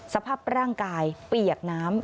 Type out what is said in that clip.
สภาพร่างกายเปียกน้ำ